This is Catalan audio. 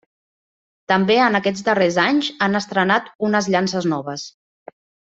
També en aquests darrers anys han estrenat unes llances noves.